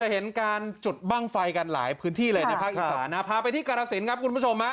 จะเห็นการจุดบั้งไฟกันหลายพื้นที่เลยค่ะพาไปที่กรสินครับคุณผู้ชมนะ